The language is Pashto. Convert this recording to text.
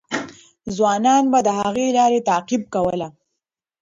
ځوانان به د هغې لار تعقیب کوله.